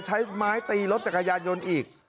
ใช้ไม้ตีรถจักรยานยนต์อีก